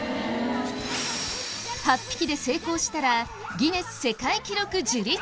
８匹で成功したらギネス世界記録樹立。